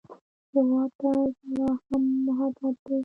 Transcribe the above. هېواد ته ژړا هم محبت دی